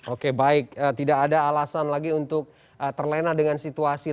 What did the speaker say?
oke baik tidak ada alasan lagi untuk terlena dengan situasi